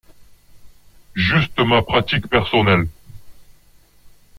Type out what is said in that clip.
Juste ma pratique personnelle.